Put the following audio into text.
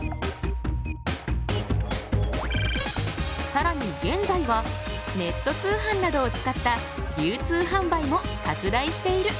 さらに現在はネット通販などを使った流通販売も拡大している。